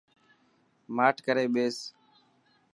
ماٺ ڪري ٻيس.